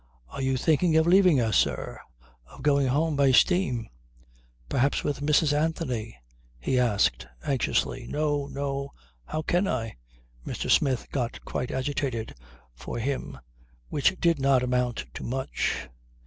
"Are you thinking of leaving us, sir; of going home by steam? Perhaps with Mrs. Anthony," he asked anxiously. "No! No! How can I?" Mr. Smith got quite agitated, for him, which did not amount to much.